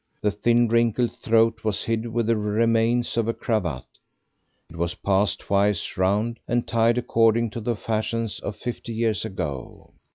The thin, wrinkled throat was hid with the remains of a cravat; it was passed twice round, and tied according to the fashions of fifty years ago.